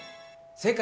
正解！